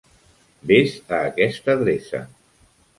Ves a aquesta adreça.